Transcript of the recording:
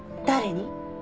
誰に？